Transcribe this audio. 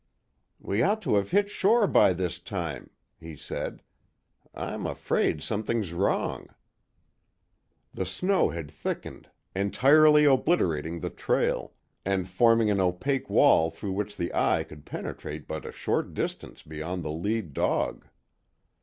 "We ought to have hit shore by this time," he said, "I'm afraid something's wrong." The snow had thickened, entirely obliterating the trail, and forming an opaque wall through which the eye could penetrate but a short distance beyond the lead dog.